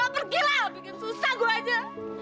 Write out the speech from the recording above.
pergi lah bikin susah gua aja